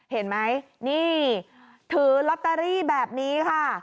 เห็นไหมนี่ถือลอตเตอรี่แบบนี้ค่ะ